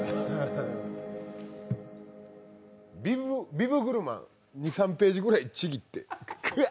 ビブグルマン２３ページくらいちぎってぐわ！